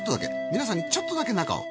皆さんにちょっとだけ中を。